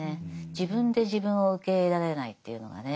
自分で自分を受け入れられないというのがね。